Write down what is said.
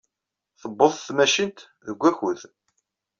Tuweḍ tmacint deg wakud.